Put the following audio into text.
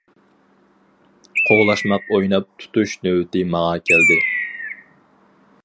قوغلاشماق ئويناپ تۇتۇش نۆۋىتى ماڭا كەلدى.